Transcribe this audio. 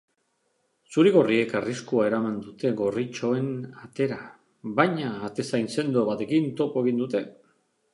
Zuri-gorriek arriskua eraman dute gorritxoen atera baina atezain sendo batekin topo egin dute.